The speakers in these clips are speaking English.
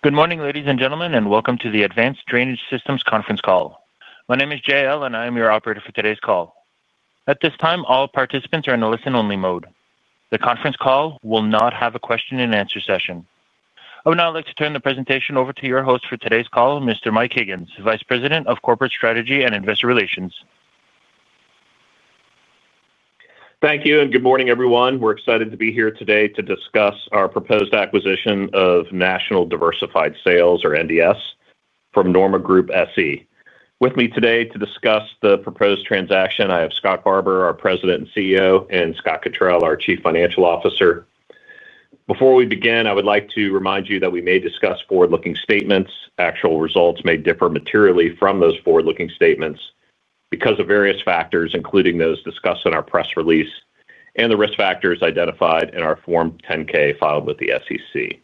Good morning, ladies and gentlemen, and welcome to the Advanced Drainage Systems conference call. My name is JL, and I am your operator for today's call. At this time, all participants are in a listen-only mode. The conference call will not have a question-and-answer session. I would now like to turn the presentation over to your host for today's call, Mr. Mike Higgins, Vice President of Corporate Strategy and Investor Relations. Thank you, and good morning, everyone. We're excited to be here today to discuss our proposed acquisition of National Diversified Sales, or NDS, from Norma Group SE. With me today to discuss the proposed transaction, I have Scott Barbour, our President and CEO, and Scott Cottrill, our Chief Financial Officer. Before we begin, I would like to remind you that we may discuss forward-looking statements. Actual results may differ materially from those forward-looking statements because of various factors, including those discussed in our press release and the risk factors identified in our Form 10-K filed with the SEC.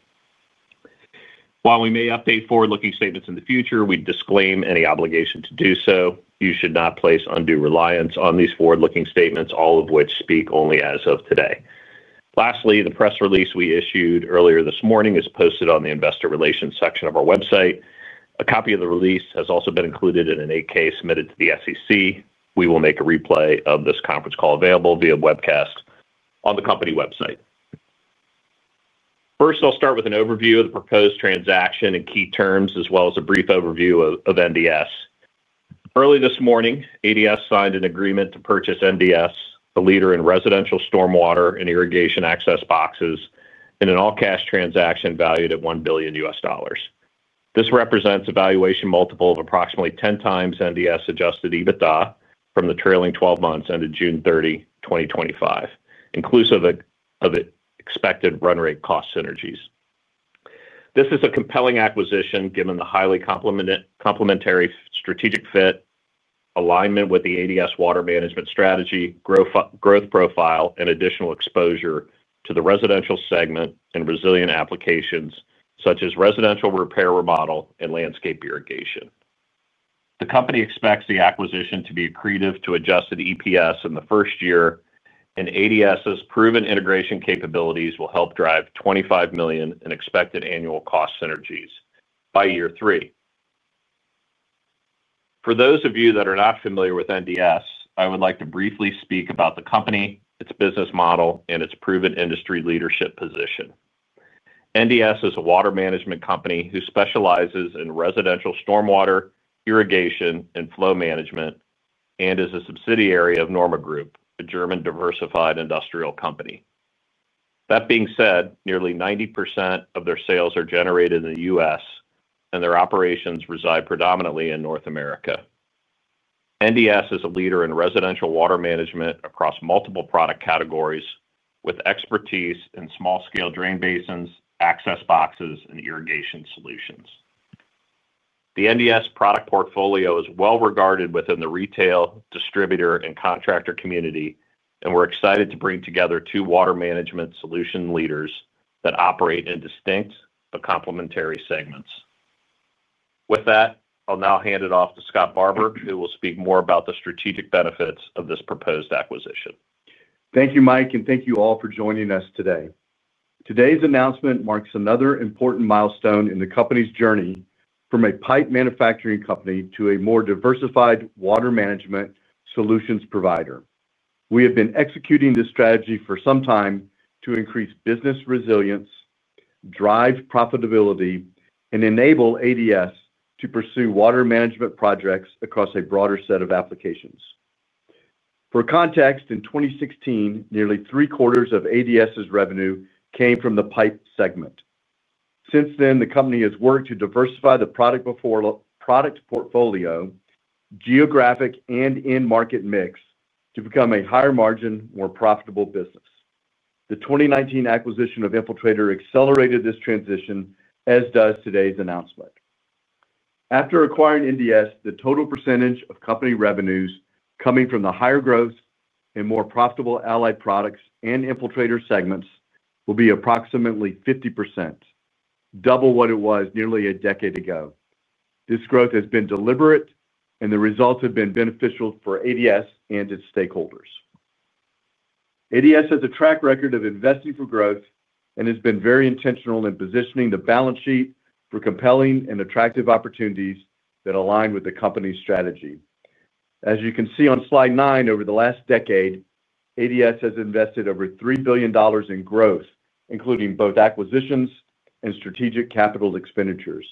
While we may update forward-looking statements in the future, we disclaim any obligation to do so. You should not place undue reliance on these forward-looking statements, all of which speak only as of today. Lastly, the press release we issued earlier this morning is posted on the Investor Relations section of our website. A copy of the release has also been included in an 8-K submitted to the SEC. We will make a replay of this conference call available via webcast on the company website. First, I'll start with an overview of the proposed transaction and key terms, as well as a brief overview of NDS. Early this morning, Advanced Drainage Systems signed an agreement to purchase NDS, the leader in residential stormwater and irrigation access boxes, in an all-cash transaction valued at $1 billion. This represents a valuation multiple of approximately 10 times NDS' adjusted EBITDA from the trailing 12 months ended June 30, 2025, inclusive of the expected run-rate cost synergies. This is a compelling acquisition given the highly complementary strategic fit, alignment with the Advanced Drainage Systems water management strategy, growth profile, and additional exposure to the residential segment and resilient applications such as residential repair, remodel, and landscape irrigation. The company expects the acquisition to be accretive to adjusted EPS in the first year, and Advanced Drainage Systems' proven integration capabilities will help drive $25 million in expected annual cost synergies by year three. For those of you that are not familiar with NDS, I would like to briefly speak about the company, its business model, and its proven industry leadership position. NDS is a water management company who specializes in residential stormwater, irrigation, and flow management and is a subsidiary of Norma Group, a German diversified industrial company. That being said, nearly 90% of their sales are generated in the United States, and their operations reside predominantly in North America. NDS is a leader in residential water management across multiple product categories with expertise in small-scale drain basins, access boxes, and irrigation solutions. The NDS product portfolio is well-regarded within the retail, distributor, and contractor community, and we're excited to bring together two water management solution leaders that operate in distinct but complementary segments. With that, I'll now hand it off to Scott Barbour, who will speak more about the strategic benefits of this proposed acquisition. Thank you, Mike, and thank you all for joining us today. Today's announcement marks another important milestone in the company's journey from a pipe manufacturing company to a more diversified water management solutions provider. We have been executing this strategy for some time to increase business resilience, drive profitability, and enable ADS to pursue water management projects across a broader set of applications. For context, in 2016, nearly three-quarters of ADS' revenue came from the pipe segment. Since then, the company has worked to diversify the product portfolio, geographic, and in-market mix to become a higher margin, more profitable business. The 2019 acquisition of Infiltrator accelerated this transition, as does today's announcement. After acquiring NDS, the total percentage of company revenues coming from the higher growth and more profitable allied products and Infiltrator segments will be approximately 50%, double what it was nearly a decade ago. This growth has been deliberate, and the results have been beneficial for ADS and its stakeholders. ADS has a track record of investing for growth and has been very intentional in positioning the balance sheet for compelling and attractive opportunities that align with the company's strategy. As you can see on slide nine, over the last decade, ADS has invested over $3 billion in growth, including both acquisitions and strategic capital expenditures.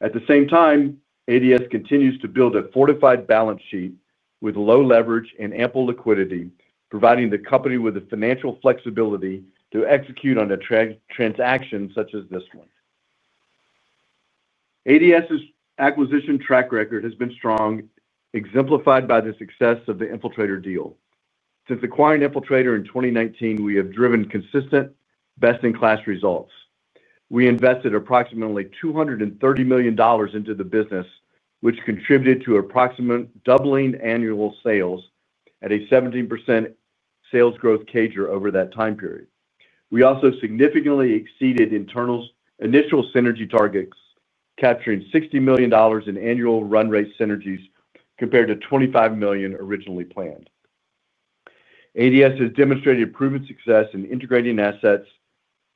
At the same time, ADS continues to build a fortified balance sheet with low leverage and ample liquidity, providing the company with the financial flexibility to execute on a transaction such as this one. ADS' acquisition track record has been strong, exemplified by the success of the Infiltrator deal. Since acquiring Infiltrator in 2019, we have driven consistent, best-in-class results. We invested approximately $230 million into the business, which contributed to approximately doubling annual sales at a 17% sales growth CAGR over that time period. We also significantly exceeded internal initial synergy targets, capturing $60 million in annual run-rate synergies compared to $25 million originally planned. ADS has demonstrated proven success in integrating assets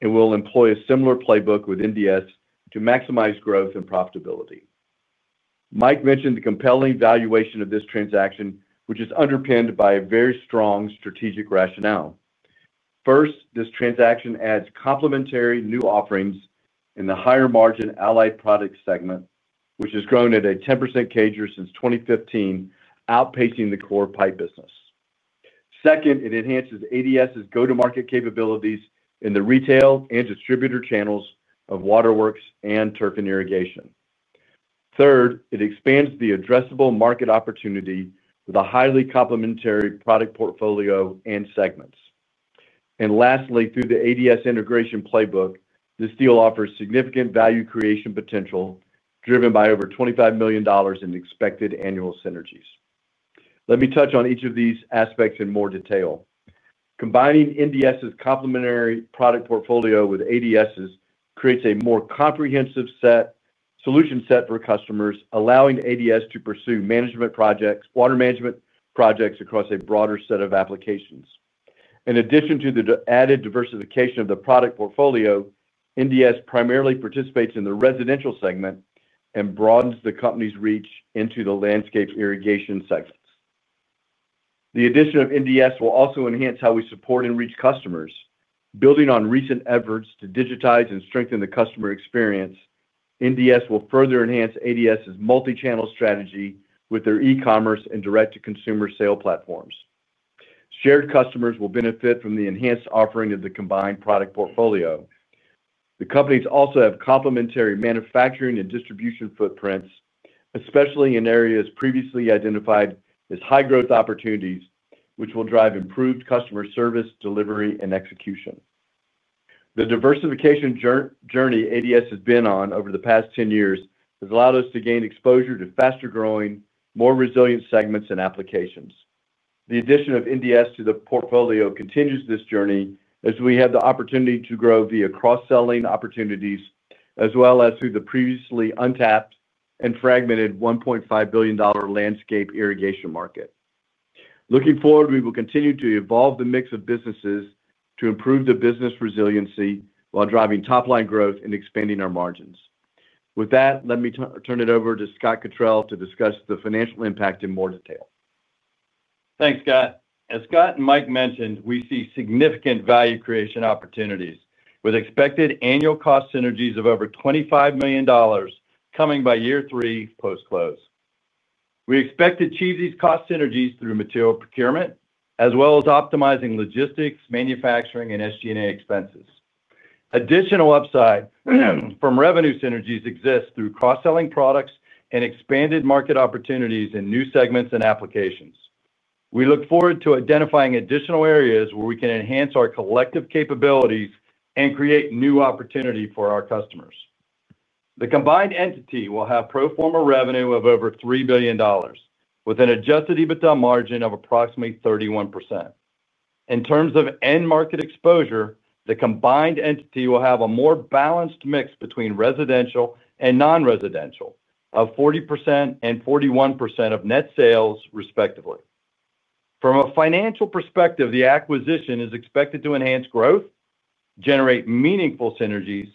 and will employ a similar playbook with NDS to maximize growth and profitability. Mike mentioned the compelling valuation of this transaction, which is underpinned by a very strong strategic rationale. First, this transaction adds complementary new offerings in the higher margin allied product segment, which has grown at a 10% CAGR since 2015, outpacing the core pipe business. Second, it enhances ADS' go-to-market capabilities in the retail and distributor channels of waterworks and turf and irrigation. Third, it expands the addressable market opportunity with a highly complementary product portfolio and segments. Lastly, through the ADS integration playbook, this deal offers significant value creation potential, driven by over $25 million in expected annual synergies. Let me touch on each of these aspects in more detail. Combining NDS' complementary product portfolio with ADS' creates a more comprehensive solution set for customers, allowing ADS to pursue water management projects across a broader set of applications. In addition to the added diversification of the product portfolio, NDS primarily participates in the residential segment and broadens the company's reach into the landscape irrigation segments. The addition of NDS will also enhance how we support and reach customers. Building on recent efforts to digitize and strengthen the customer experience, NDS will further enhance ADS' multichannel strategy with their e-commerce and direct-to-consumer sale platforms. Shared customers will benefit from the enhanced offering of the combined product portfolio. The companies also have complementary manufacturing and distribution footprints, especially in areas previously identified as high-growth opportunities, which will drive improved customer service, delivery, and execution. The diversification journey ADS has been on over the past 10 years has allowed us to gain exposure to faster-growing, more resilient segments and applications. The addition of NDS to the portfolio continues this journey as we have the opportunity to grow via cross-selling opportunities, as well as through the previously untapped and fragmented $1.5 billion landscape irrigation market. Looking forward, we will continue to evolve the mix of businesses to improve the business resiliency while driving top-line growth and expanding our margins. With that, let me turn it over to Scott Cottrill to discuss the financial impact in more detail. Thanks, Scott. As Scott and Mike mentioned, we see significant value creation opportunities with expected annual cost synergies of over $25 million coming by year three post-close. We expect to achieve these cost synergies through material procurement, as well as optimizing logistics, manufacturing, and SG&A expenses. Additional upside from revenue synergies exists through cross-selling products and expanded market opportunities in new segments and applications. We look forward to identifying additional areas where we can enhance our collective capabilities and create new opportunity for our customers. The combined entity will have pro forma revenue of over $3 billion with an adjusted EBITDA margin of approximately 31%. In terms of end market exposure, the combined entity will have a more balanced mix between residential and non-residential of 40% and 41% of net sales, respectively. From a financial perspective, the acquisition is expected to enhance growth, generate meaningful synergies,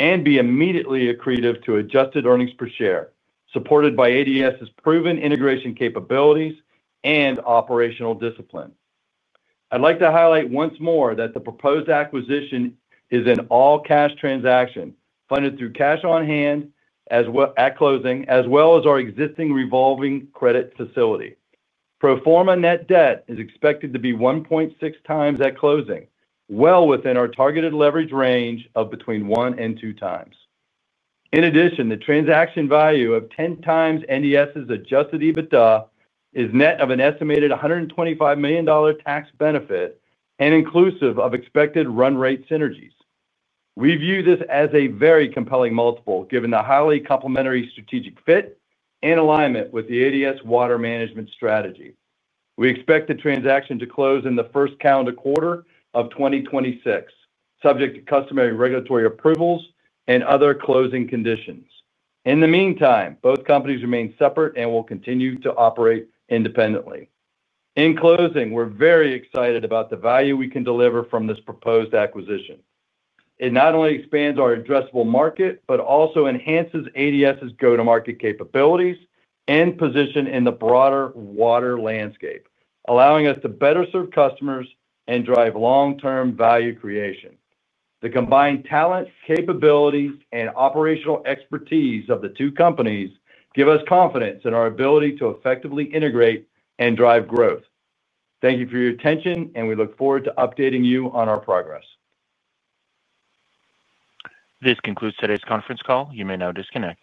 and be immediately accretive to adjusted earnings per share, supported by ADS' proven integration capabilities and operational discipline. I'd like to highlight once more that the proposed acquisition is an all-cash transaction funded through cash on hand at closing, as well as our existing revolving credit facility. Pro forma net debt is expected to be 1.6 times at closing, well within our targeted leverage range of between one and two times. In addition, the transaction value of 10 times NDS' adjusted EBITDA is net of an estimated $125 million tax benefit and inclusive of expected run-rate synergies. We view this as a very compelling multiple given the highly complementary strategic fit and alignment with the ADS water management strategy. We expect the transaction to close in the first calendar quarter of 2026, subject to customary regulatory approvals and other closing conditions. In the meantime, both companies remain separate and will continue to operate independently. In closing, we're very excited about the value we can deliver from this proposed acquisition. It not only expands our addressable market but also enhances ADS' go-to-market capabilities and position in the broader water landscape, allowing us to better serve customers and drive long-term value creation. The combined talent, capabilities, and operational expertise of the two companies give us confidence in our ability to effectively integrate and drive growth. Thank you for your attention, and we look forward to updating you on our progress. This concludes today's conference call. You may now disconnect.